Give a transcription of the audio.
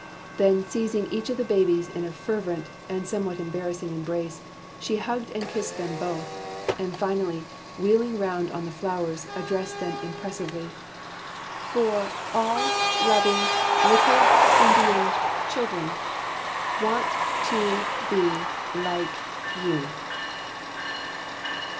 Then, seizing each of the babies in a fervent and somewhat embarrassing embrace, she hugged and kissed them both; and finally wheeling round on the flowers, addressed them impressively: "For all loving little Indian children want to be like you."